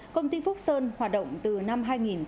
công ty phúc sơn hoạt động từ năm hai nghìn bốn